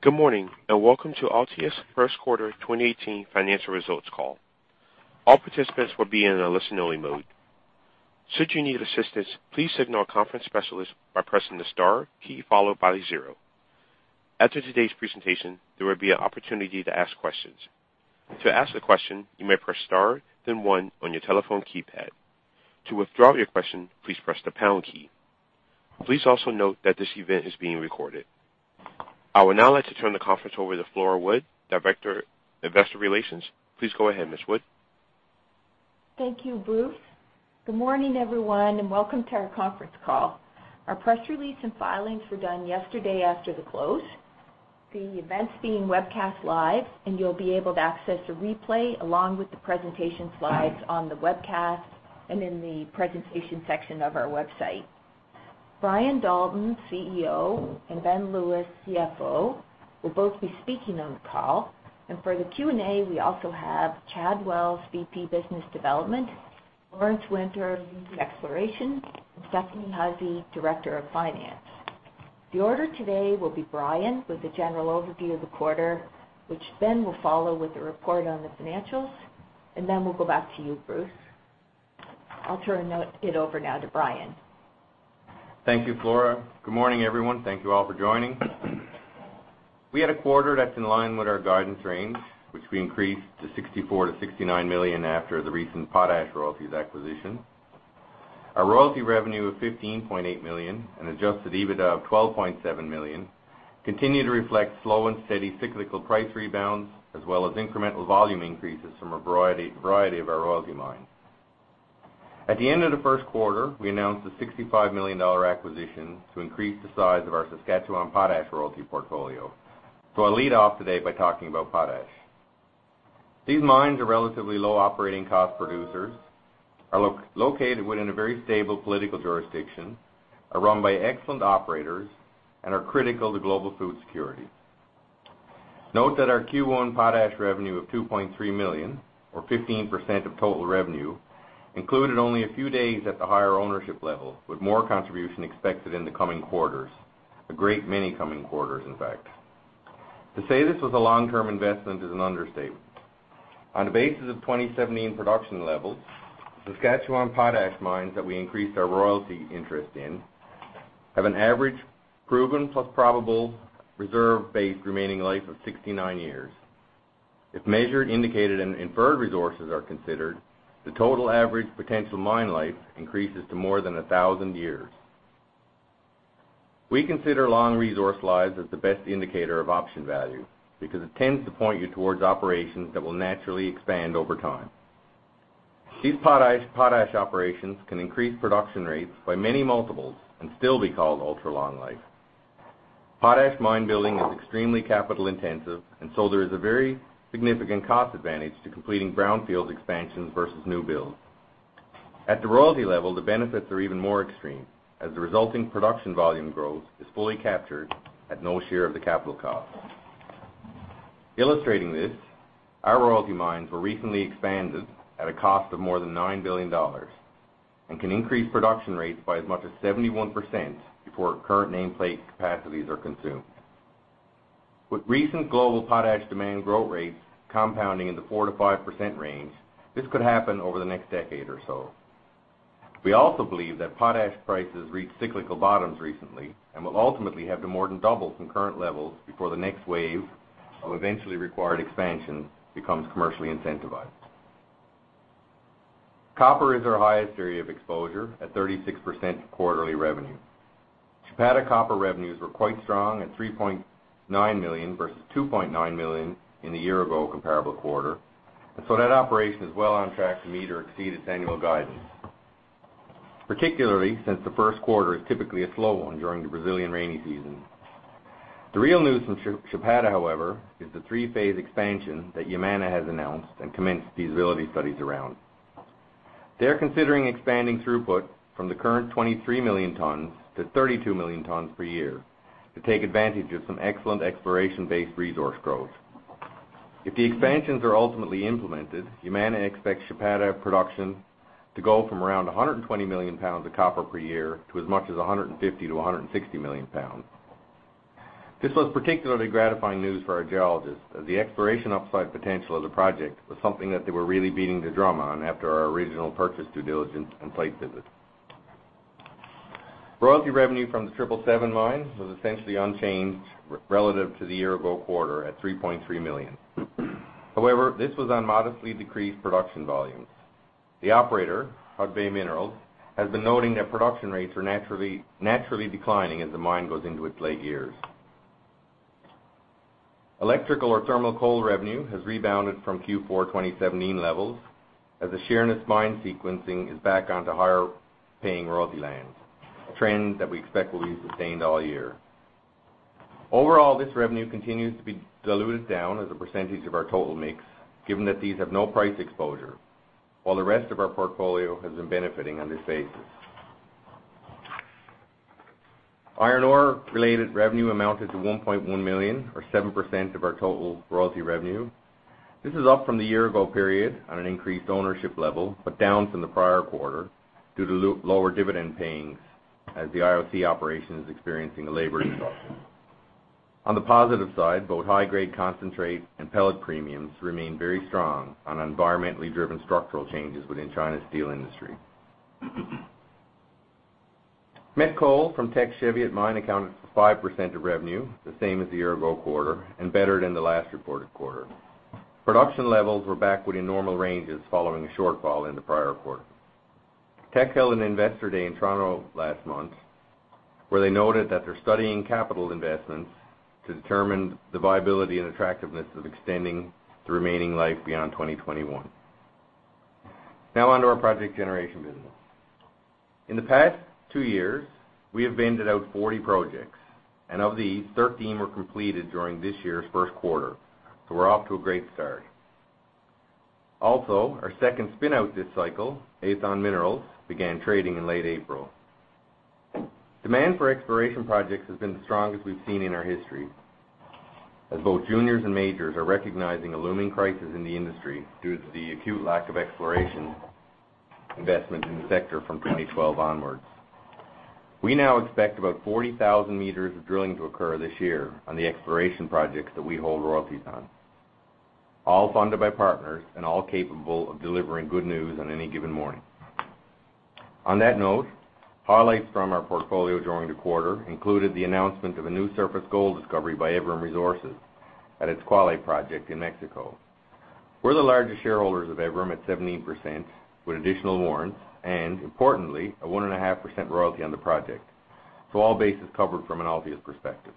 Good morning, welcome to Altius' first quarter 2018 financial results call. All participants will be in a listen-only mode. Should you need assistance, please signal a conference specialist by pressing the star key followed by zero. After today's presentation, there will be an opportunity to ask questions. To ask a question, you may press star then one on your telephone keypad. To withdraw your question, please press the pound key. Please also note that this event is being recorded. I would now like to turn the conference over to Flora Wood, Director of Investor Relations. Please go ahead, Ms. Wood. Thank you, Bruce. Good morning, everyone, welcome to our conference call. Our press release and filings were done yesterday after the close. The event's being webcast live, you'll be able to access a replay along with the presentation slides on the webcast and in the presentations section of our website. Brian Dalton, CEO, and Ben Lewis, CFO, will both be speaking on the call. For the Q&A, we also have Chad Wells, VP Business Development, Lawrence Winter, VP Exploration, and Stephanie Hussey, Director of Finance. The order today will be Brian with the general overview of the quarter, which Ben will follow with a report on the financials, then we'll go back to you, Bruce. I'll turn it over now to Brian. Thank you, Flora. Good morning, everyone. Thank you all for joining. We had a quarter that's in line with our guidance range, which we increased to 64 million-69 million after the recent potash royalties acquisition. Our royalty revenue of 15.8 million and adjusted EBITDA of 12.7 million continue to reflect slow and steady cyclical price rebounds, as well as incremental volume increases from a variety of our royalty mines. At the end of the first quarter, we announced a 65 million dollar acquisition to increase the size of our Saskatchewan potash royalty portfolio. I'll lead off today by talking about potash. These mines are relatively low operating cost producers, are located within a very stable political jurisdiction, are run by excellent operators, and are critical to global food security. Note that our Q1 potash revenue of 2.3 million, or 15% of total revenue, included only a few days at the higher ownership level, with more contribution expected in the coming quarters. A great many coming quarters, in fact. To say this was a long-term investment is an understatement. On the basis of 2017 production levels, Saskatchewan potash mines that we increased our royalty interest in have an average proven plus probable reserve-based remaining life of 69 years. If measured, indicated, and inferred resources are considered, the total average potential mine life increases to more than 1,000 years. We consider long resource lives as the best indicator of option value because it tends to point you towards operations that will naturally expand over time. These potash operations can increase production rates by many multiples and still be called ultra-long life. Potash mine building is extremely capital intensive, there is a very significant cost advantage to completing brownfield expansions versus new builds. At the royalty level, the benefits are even more extreme as the resulting production volume growth is fully captured at no share of the capital cost. Illustrating this, our royalty mines were recently expanded at a cost of more than 9 billion dollars and can increase production rates by as much as 71% before current nameplate capacities are consumed. With recent global potash demand growth rates compounding in the 4%-5% range, this could happen over the next decade or so. We also believe that potash prices reached cyclical bottoms recently and will ultimately have to more than double from current levels before the next wave of eventually required expansion becomes commercially incentivized. Copper is our highest area of exposure at 36% of quarterly revenue. Chapada copper revenues were quite strong at 3.9 million versus 2.9 million in the year-ago comparable quarter, that operation is well on track to meet or exceed its annual guidance, particularly since the first quarter is typically a slow one during the Brazilian rainy season. The real news from Chapada, however, is the three-phase expansion that Yamana has announced and commenced feasibility studies around. They're considering expanding throughput from the current 23 million tonnes to 32 million tonnes per year to take advantage of some excellent exploration-based resource growth. If the expansions are ultimately implemented, Yamana expects Chapada production to go from around 120 million pounds of copper per year to as much as 150 million-160 million pounds. This was particularly gratifying news for our geologists, as the exploration upside potential of the project was something that they were really beating the drum on after our original purchase due diligence and site visit. Royalty revenue from the 777 mine was essentially unchanged relative to the year-ago quarter at 3.3 million. However, this was on modestly decreased production volumes. The operator, Hudbay Minerals, has been noting that production rates are naturally declining as the mine goes into its late years. Electrical or thermal coal revenue has rebounded from Q4 2017 levels as the Sheerness mine sequencing is back onto higher-paying royalty lands, a trend that we expect will be sustained all year. This revenue continues to be diluted down as a percentage of our total mix, given that these have no price exposure, while the rest of our portfolio has been benefiting on this basis. Iron ore-related revenue amounted to 1.1 million, or 7% of our total royalty revenue. This is up from the year-ago period on an increased ownership level, but down from the prior quarter due to lower dividend pains as the IOC operation is experiencing a labor disruption. On the positive side, both high grade concentrate and pellet premiums remain very strong on environmentally driven structural changes within China's steel industry. Met Coal from Teck Cheviot Mine accounted for 5% of revenue, the same as the year-ago quarter and better than the last reported quarter. Production levels were back within normal ranges following a shortfall in the prior quarter. Teck held an investor day in Toronto last month, where they noted that they're studying capital investments to determine the viability and attractiveness of extending the remaining life beyond 2021. Now on to our project generation business. In the past two years, we have banded out 40 projects, and of these, 13 were completed during this year's first quarter. We're off to a great start. Also, our second spin out this cycle, Aethon Minerals, began trading in late April. Demand for exploration projects has been the strongest we've seen in our history, as both juniors and majors are recognizing a looming crisis in the industry due to the acute lack of exploration investment in the sector from 2012 onwards. We now expect about 40,000 meters of drilling to occur this year on the exploration projects that we hold royalties on, all funded by partners and all capable of delivering good news on any given morning. On that note, highlights from our portfolio during the quarter included the announcement of a new surface gold discovery by Evrim Resources at its Cuale project in Mexico. We're the largest shareholders of Evrim at 17%, with additional warrants, and importantly, a 1.5% royalty on the project. All bases covered from an Altius perspective.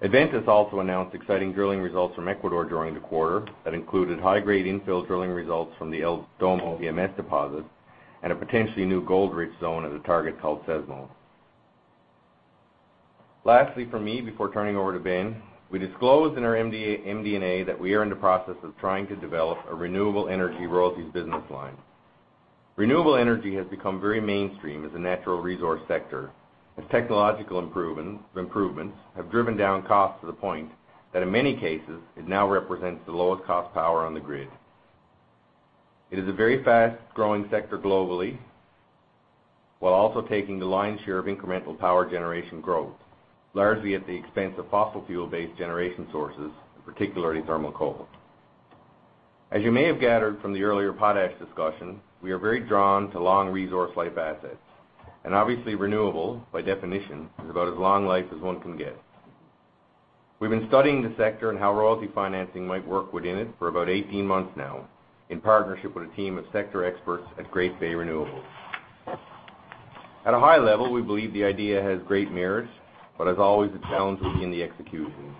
Adventus also announced exciting drilling results from Ecuador during the quarter that included high-grade infill drilling results from the El Domo VMS deposit and a potentially new gold rich zone at a target called Sesmol. Lastly from me, before turning over to Ben, we disclosed in our MD&A that we are in the process of trying to develop a renewable energy royalties business line. Renewable energy has become very mainstream as a natural resource sector, as technological improvements have driven down costs to the point that in many cases, it now represents the lowest cost power on the grid. It is a very fast-growing sector globally, while also taking the lion's share of incremental power generation growth, largely at the expense of fossil fuel-based generation sources, particularly thermal coal. As you may have gathered from the earlier potash discussion, we are very drawn to long resource life assets, and obviously renewable, by definition, is about as long life as one can get. We've been studying the sector and how royalty financing might work within it for about 18 months now in partnership with a team of sector experts at Great Bay Renewables. At a high level, we believe the idea has great merit, as always, the challenge will be in the execution.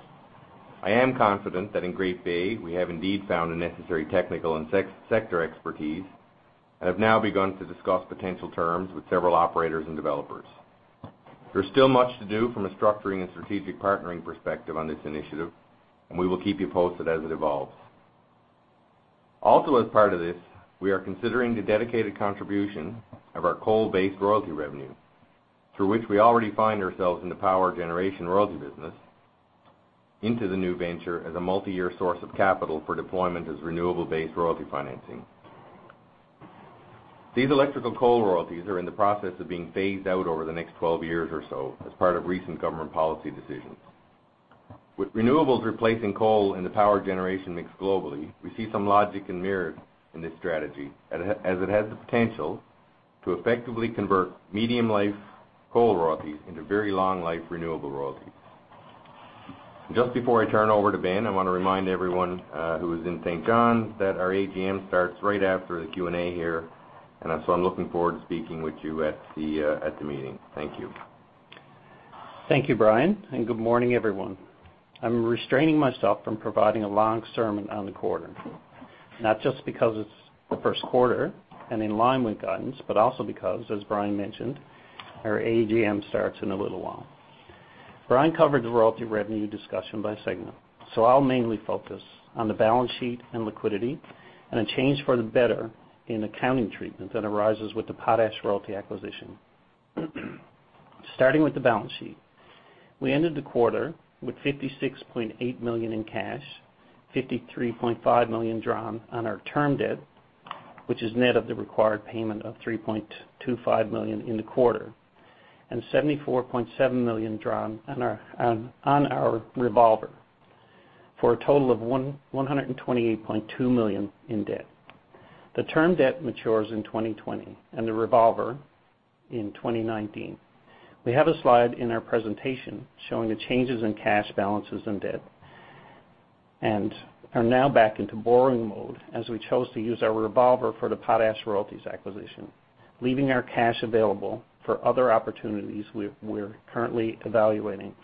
I am confident that in Great Bay, we have indeed found the necessary technical and sector expertise and have now begun to discuss potential terms with several operators and developers. There's still much to do from a structuring and strategic partnering perspective on this initiative, we will keep you posted as it evolves. Also, as part of this, we are considering the dedicated contribution of our coal-based royalty revenue, through which we already find ourselves in the power generation royalty business into the new venture as a multi-year source of capital for deployment as renewable-based royalty financing. These electrical coal royalties are in the process of being phased out over the next 12 years or so as part of recent government policy decisions. With renewables replacing coal in the power generation mix globally, we see some logic and merit in this strategy as it has the potential to effectively convert medium-life coal royalties into very long-life renewable royalties. Just before I turn over to Ben, I want to remind everyone who is in St. John's that our AGM starts right after the Q&A here. I'm looking forward to speaking with you at the meeting. Thank you. Thank you, Brian. Good morning, everyone. I'm restraining myself from providing a long sermon on the quarter, not just because it's the first quarter and in line with guidance, also because, as Brian mentioned, our AGM starts in a little while. Brian covered the royalty revenue discussion by segment. I'll mainly focus on the balance sheet and liquidity and a change for the better in accounting treatment that arises with the Potash Royalty acquisition. Starting with the balance sheet, we ended the quarter with 56.8 million in cash, 53.5 million drawn on our term debt, which is net of the required payment of 3.25 million in the quarter, and 74.7 million drawn on our revolver, for a total of 128.2 million in debt. The term debt matures in 2020 and the revolver in 2019. We have a slide in our presentation showing the changes in cash balances and debt and are now back into borrowing mode as we chose to use our revolver for the Potash Royalties acquisition, leaving our cash available for other opportunities we're currently evaluating.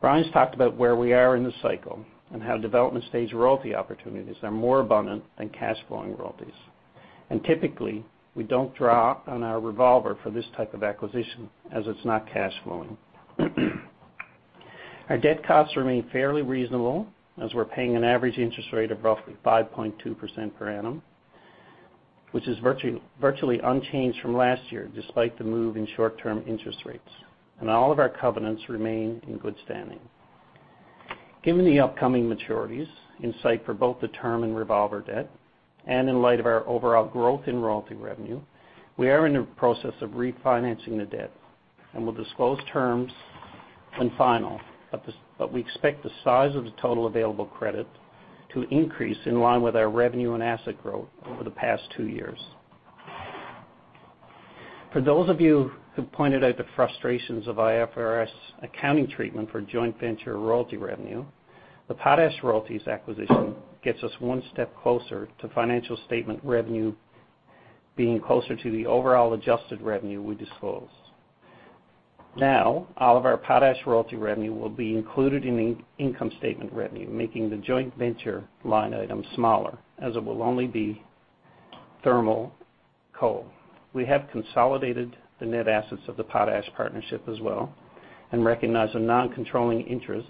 Brian's talked about where we are in the cycle and how development stage royalty opportunities are more abundant than cash flowing royalties. Typically, we don't draw on our revolver for this type of acquisition as it's not cash flowing. Our debt costs remain fairly reasonable as we're paying an average interest rate of roughly 5.2% per annum, which is virtually unchanged from last year, despite the move in short-term interest rates. All of our covenants remain in good standing. Given the upcoming maturities in sight for both the term and revolver debt, in light of our overall growth in royalty revenue, we are in the process of refinancing the debt. We'll disclose terms when final, we expect the size of the total available credit to increase in line with our revenue and asset growth over the past two years. For those of you who pointed out the frustrations of IFRS accounting treatment for joint venture royalty revenue, the potash royalties acquisition gets us one step closer to financial statement revenue being closer to the overall adjusted revenue we disclose. All of our potash royalty revenue will be included in the income statement revenue, making the joint venture line item smaller, as it will only be thermal coal. We have consolidated the net assets of the potash partnership as well and recognized a non-controlling interest,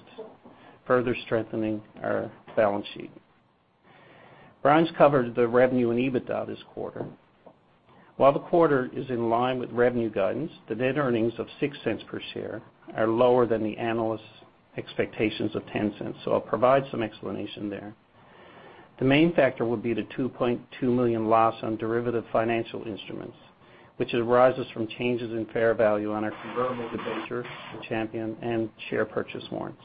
further strengthening our balance sheet. Brian's covered the revenue and EBITDA this quarter. While the quarter is in line with revenue guidance, the net earnings of 0.06 per share are lower than the analysts' expectations of 0.10, so I'll provide some explanation there. The main factor would be the 2.2 million loss on derivative financial instruments, which arises from changes in fair value on our convertible debenture with Champion and share purchase warrants.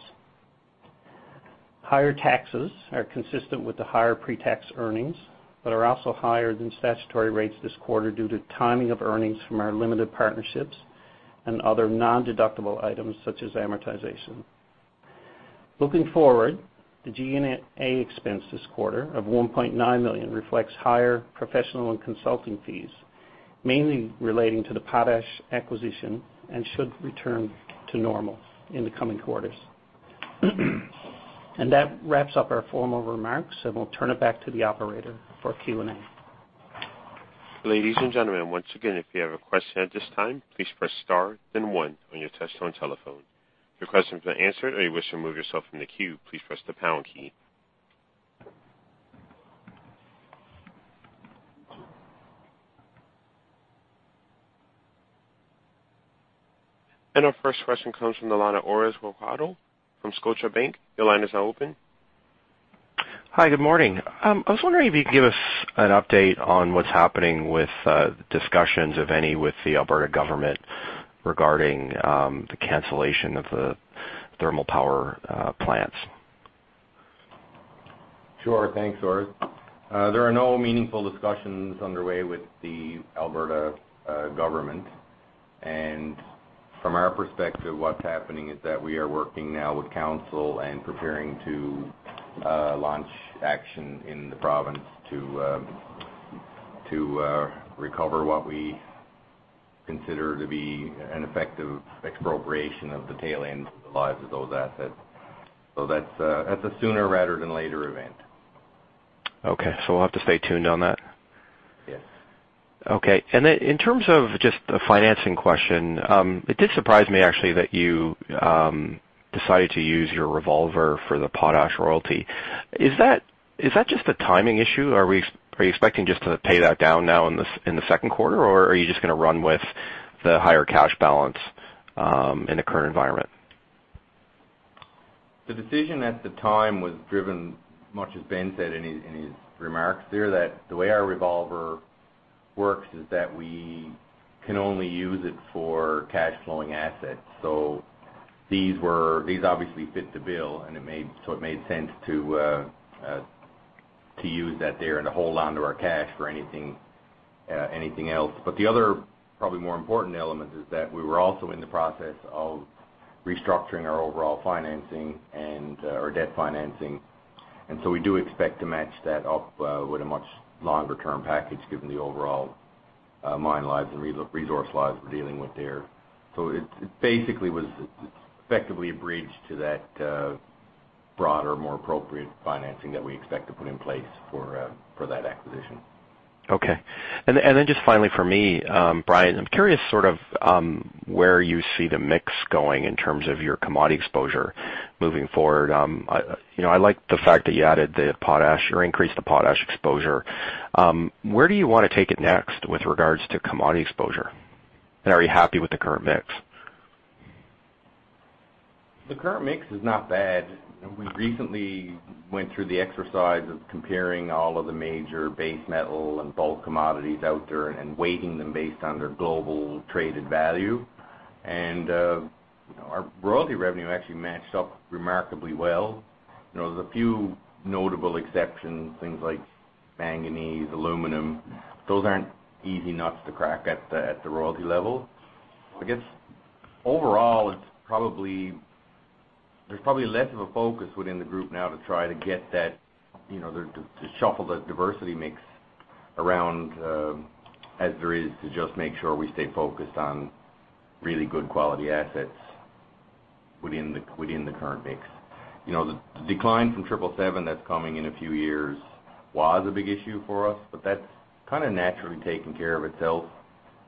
Higher taxes are consistent with the higher pre-tax earnings, but are also higher than statutory rates this quarter due to timing of earnings from our limited partnerships and other non-deductible items such as amortization. Looking forward, the G&A expense this quarter of 1.9 million reflects higher professional and consulting fees, mainly relating to the potash acquisition and should return to normal in the coming quarters. That wraps up our formal remarks, and we'll turn it back to the operator for Q&A. Ladies and gentlemen, once again, if you have a question at this time, please press star then one on your touchtone telephone. If your question has been answered or you wish to remove yourself from the queue, please press the pound key. Our first question comes from the line of Orest Wowkodaw from Scotiabank. Your line is now open. Hi, good morning. I was wondering if you could give us an update on what's happening with discussions, if any, with the Alberta government regarding the cancellation of the thermal power plants. Sure. Thanks, Orest. There are no meaningful discussions underway with the Alberta government. From our perspective, what's happening is that we are working now with council and preparing to launch action in the province to recover what we consider to be an effective expropriation of the tail ends of the lives of those assets. That's a sooner rather than later event. Okay. We'll have to stay tuned on that. Yes. Okay. In terms of just a financing question, it did surprise me actually that you decided to use your revolver for the potash royalty. Is that just a timing issue? Are you expecting just to pay that down now in the second quarter? Are you just going to run with the higher cash balance in the current environment? The decision at the time was driven, much as Ben said in his remarks there, that the way our revolver works is that we can only use it for cash flowing assets. These obviously fit the bill, it made sense to use that there and to hold onto our cash for anything else. The other, probably more important element is that we were also in the process of restructuring our overall financing or debt financing, we do expect to match that up with a much longer-term package given the overall mine lives and resource lives we're dealing with there. It basically was effectively a bridge to that broader, more appropriate financing that we expect to put in place for that acquisition. Okay. Just finally from me, Brian, I'm curious sort of where you see the mix going in terms of your commodity exposure moving forward. I like the fact that you added the potash or increased the potash exposure. Where do you want to take it next with regards to commodity exposure? Are you happy with the current mix? The current mix is not bad. We recently went through the exercise of comparing all of the major base metal and bulk commodities out there and weighting them based on their global traded value. Our royalty revenue actually matched up remarkably well. There's a few notable exceptions, things like manganese, aluminum. Those aren't easy nuts to crack at the royalty level. I guess overall, there's probably less of a focus within the group now to try to shuffle the diversity mix around, as there is to just make sure we stay focused on really good quality assets within the current mix. The decline from 777 that's coming in a few years was a big issue for us, but that's kind of naturally taken care of itself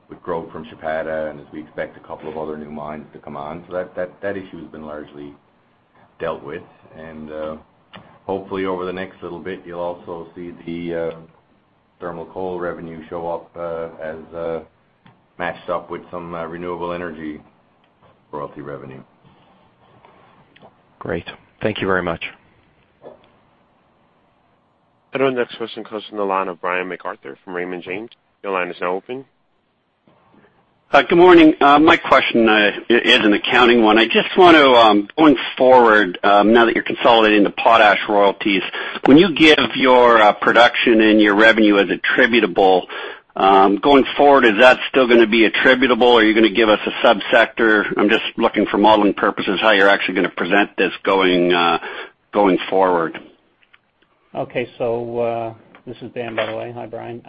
with growth from Chapada, and as we expect a couple of other new mines to come on. That issue has been largely dealt with, and hopefully over the next little bit, you'll also see the thermal coal revenue show up as matched up with some renewable energy royalty revenue. Great. Thank you very much. Our next question comes from the line of Brian MacArthur from Raymond James. Your line is now open. Hi. Good morning. My question is an accounting one. I just want to, going forward, now that you're consolidating the potash royalties, when you give your production and your revenue as attributable, going forward, is that still going to be attributable or are you going to give us a sub-sector? I'm just looking for modeling purposes, how you're actually going to present this going forward. This is Ben, by the way. Hi, Brian.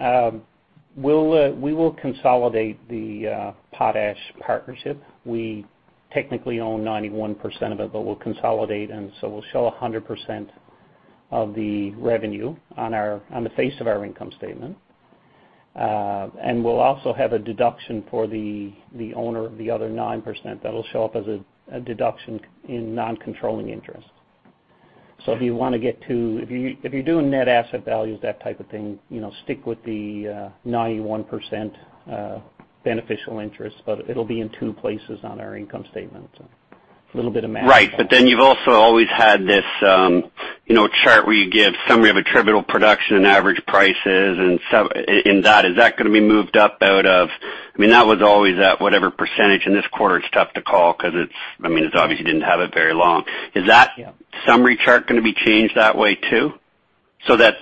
We will consolidate the potash partnership. We technically own 91% of it, but we'll consolidate, and we'll show 100% of the revenue on the face of our income statement. We'll also have a deduction for the owner of the other 9% that'll show up as a deduction in non-controlling interest. If you do a net asset value, that type of thing, stick with the 91% beneficial interest, but it'll be in two places on our income statement. A little bit of math. You've also always had this chart where you give summary of attributable production and average prices in that, is that going to be moved up? That was always at whatever percentage, and this quarter, it's tough to call because it's obvious you didn't have it very long. Yeah summary chart going to be changed that way, too? So that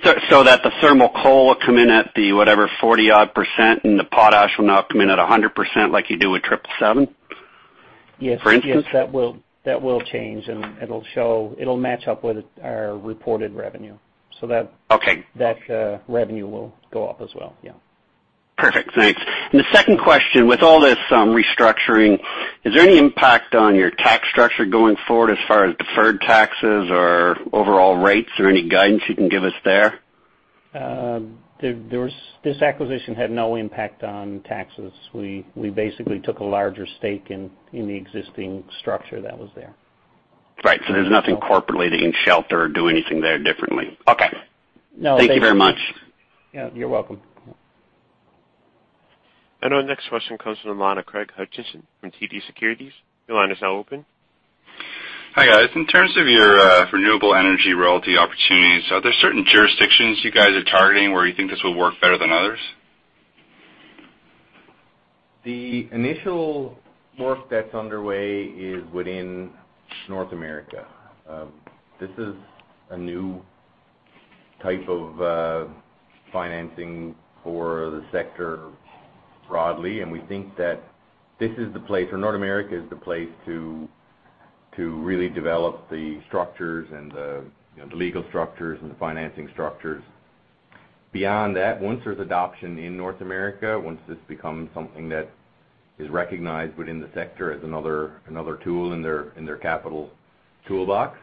the thermal coal will come in at the whatever 40-odd% and the potash will now come in at 100% like you do with 777? Yes. For instance. Yes, that will change, and it'll match up with our reported revenue. Okay that revenue will go up as well. Yeah. Perfect. Thanks. The second question, with all this restructuring, is there any impact on your tax structure going forward as far as deferred taxes or overall rates or any guidance you can give us there? This acquisition had no impact on taxes. We basically took a larger stake in the existing structure that was there. Right. There's nothing corporately that you can shelter or do anything there differently. Okay. No. Thank you very much. You're welcome. Our next question comes from the line of Craig Hutchison from TD Securities. Your line is now open. Hi, guys. In terms of your renewable energy royalty opportunities, are there certain jurisdictions you guys are targeting where you think this will work better than others? The initial work that's underway is within North America. This is a new type of financing for the sector broadly, and we think that North America is the place to really develop the structures and the legal structures and the financing structures. Beyond that, once there's adoption in North America, once this becomes something that is recognized within the sector as another tool in their capital toolbox,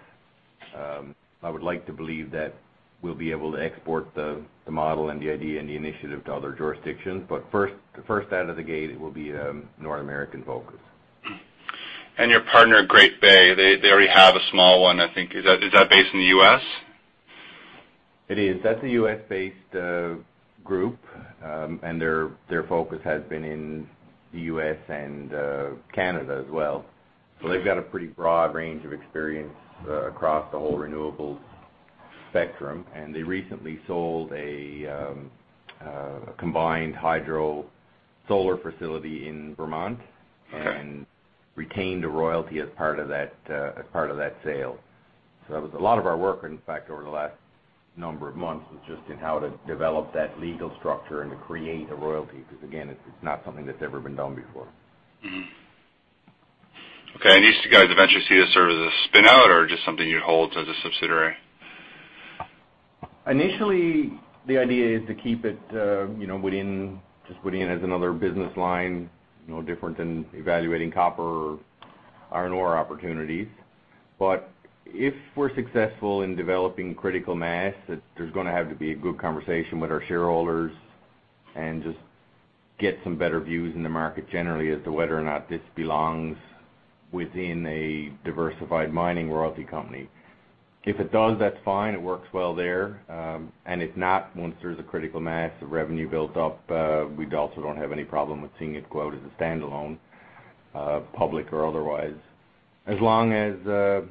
I would like to believe that we'll be able to export the model and the idea and the initiative to other jurisdictions. The first out of the gate, it will be North American focused. Your partner, Great Bay, they already have a small one, I think. Is that based in the U.S.? It is. That's a U.S.-based group. Their focus has been in the U.S. and Canada as well. They've got a pretty broad range of experience across the whole renewable spectrum, and they recently sold a combined hydro solar facility in Vermont- Okay Retained a royalty as part of that sale. That was a lot of our work, in fact, over the last number of months, was just in how to develop that legal structure and to create a royalty, because, again, it's not something that's ever been done before. Okay. Do you guys eventually see this as a spin-out or just something you hold as a subsidiary? Initially, the idea is to keep it just within it as another business line, no different than evaluating copper or iron ore opportunities. If we're successful in developing critical mass, there's going to have to be a good conversation with our shareholders and just get some better views in the market generally as to whether or not this belongs within a diversified mining royalty company. If it does, that's fine. It works well there. If not, once there's a critical mass of revenue built up, we also don't have any problem with seeing it go out as a standalone, public or otherwise. As long as a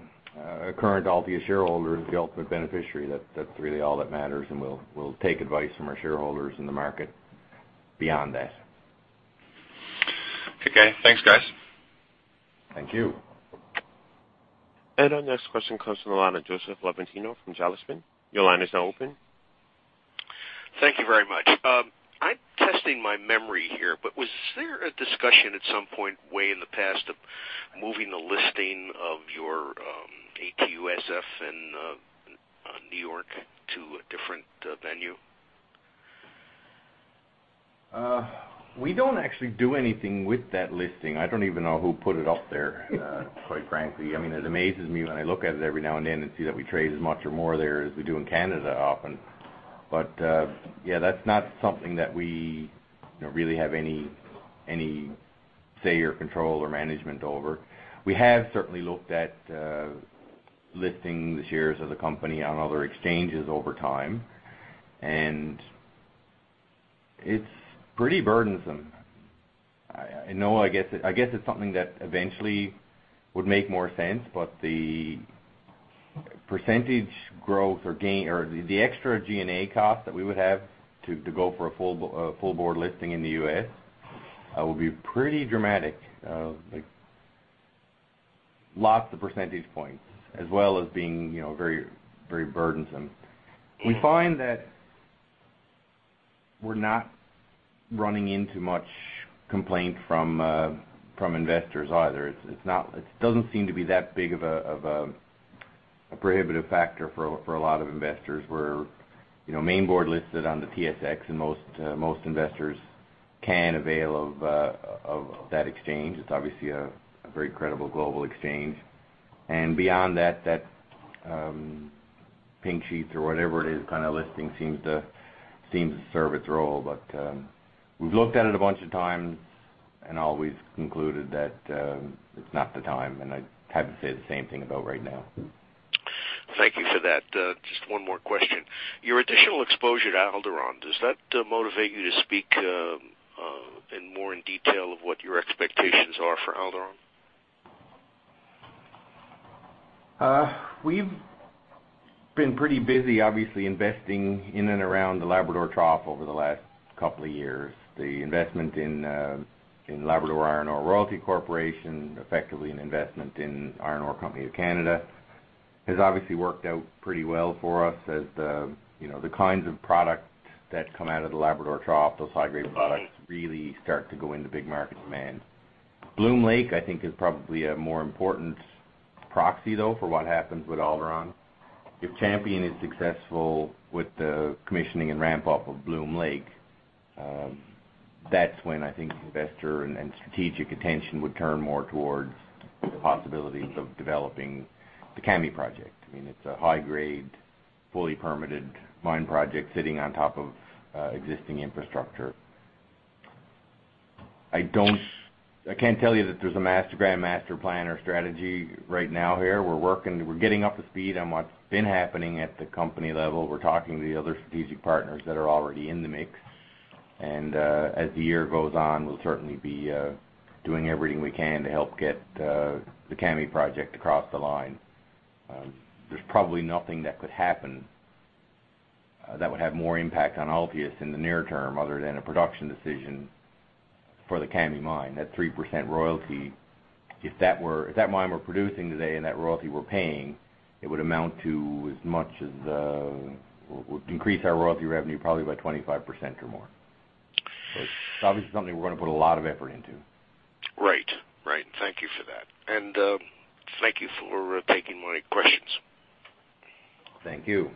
current Altius shareholder is the ultimate beneficiary, that's really all that matters, and we'll take advice from our shareholders in the market beyond that. Okay. Thanks, guys. Thank you. Our next question comes from the line of Joseph Levantino from Jalispin. Your line is now open. Thank you very much. I'm testing my memory here, but was there a discussion at some point way in the past of moving the listing of your ATUSF in New York to a different venue? We don't actually do anything with that listing. I don't even know who put it up there, quite frankly. It amazes me when I look at it every now and then and see that we trade as much or more there as we do in Canada often. Yeah, that's not something that we really have any say or control or management over. We have certainly looked at listing the shares of the company on other exchanges over time, and it's pretty burdensome. I guess it's something that eventually would make more sense, the percentage growth or gain or the extra G&A cost that we would have to go for a full board listing in the U.S. would be pretty dramatic. Like lots of percentage points as well as being very burdensome. We find that we're not running into much complaint from investors either. It doesn't seem to be that big of a prohibitive factor for a lot of investors. We're main board listed on the TSX and most investors can avail of that exchange. It's obviously a very credible global exchange. Beyond that Pink Sheets or whatever it is listing seems to serve its role. We've looked at it a bunch of times and always concluded that it's not the time, and I'd have to say the same thing about right now. Thank you for that. Just one more question. Your additional exposure to Alderon, does that motivate you to speak more in detail of what your expectations are for Alderon? We've been pretty busy, obviously, investing in and around the Labrador Trough over the last couple of years. The investment in Labrador Iron Ore Royalty Corporation, effectively an investment in Iron Ore Company of Canada, has obviously worked out pretty well for us as the kinds of product that come out of the Labrador Trough, those high-grade products really start to go into big market demand. Bloom Lake, I think is probably a more important proxy, though, for what happens with Alderon. If Champion is successful with the commissioning and ramp-up of Bloom Lake, that's when I think investor and strategic attention would turn more towards the possibilities of developing the Kami Project. It's a high-grade, fully permitted mine project sitting on top of existing infrastructure. I can't tell you that there's a master grand master plan or strategy right now here. We're working. We're getting up to speed on what's been happening at the company level. We're talking to the other strategic partners that are already in the mix. As the year goes on, we'll certainly be doing everything we can to help get the Kami Project across the line. There's probably nothing that could happen that would have more impact on Altius in the near term other than a production decision for the Kami mine. That 3% royalty, if that mine were producing today and that royalty were paying, it would increase our royalty revenue probably by 25% or more. It's obviously something we're going to put a lot of effort into. Right. Thank you for that. Thank you for taking my questions. Thank you.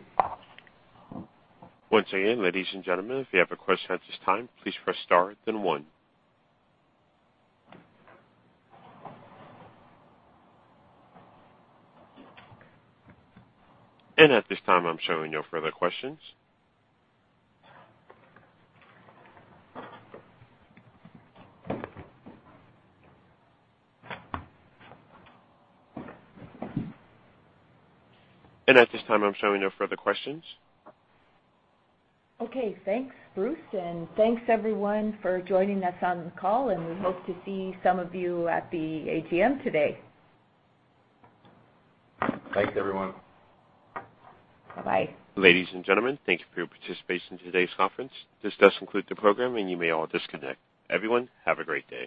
Once again, ladies and gentlemen, if you have a question at this time, please press star then one. At this time, I'm showing no further questions. At this time, I'm showing no further questions. Okay. Thanks, Bruce, and thanks everyone for joining us on the call, and we hope to see some of you at the AGM today. Thanks, everyone. Bye bye. Ladies and gentlemen, thank you for your participation in today's conference. This does conclude the program, and you may all disconnect. Everyone, have a great day.